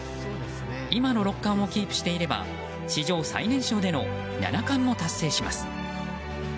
今の六冠をキープしていれば史上最年少での七冠も達成します。